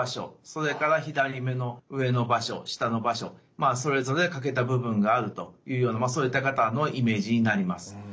それから左目の上の場所下の場所それぞれ欠けた部分があるというようなそういったイメージになります。